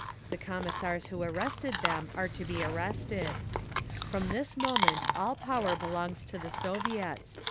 The Commissars who arrested them are to be arrested. "From this moment all power belongs to the Soviets.